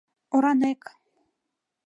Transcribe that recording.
Оранек